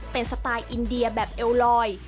เป็นสไตล์อินเดียแบบเอลลอย